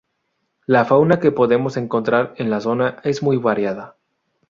La fauna que podemos encontrar en la zona es muy variada.